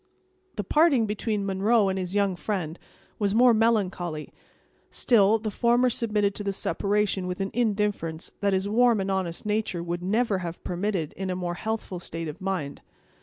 The parting between Munro and his young friend was more melancholy; still, the former submitted to the separation with an indifference that his warm and honest nature would never have permitted in a more healthful state of mind.